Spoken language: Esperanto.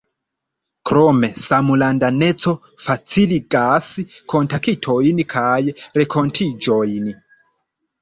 Krome, samlandaneco faciligas kontaktojn kaj renkontiĝojn.